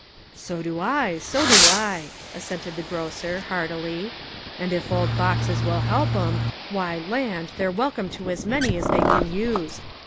"So do I, so do I," assented the grocer, heartily, " and if old boxes will help 'em, why, land, they're welcome to as many as they can use.